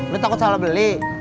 lo takut salah beli